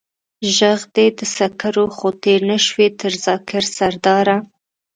ژغ دې د سکر و، خو تېر نه شوې تر ذاکر سرداره.